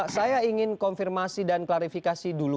saya ingin konfirmasi dan klarifikasi dulu